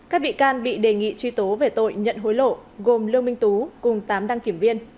các bị can bị đề nghị truy tố về tội nhận hối lộ gồm lương minh tú cùng tám đăng kiểm viên